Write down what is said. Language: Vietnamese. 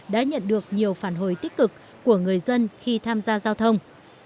đã nhận được nhiều phản hồi tích cực của người dân khi tham gia giao thông